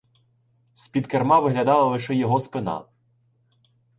З-під керма виглядала лише його спина.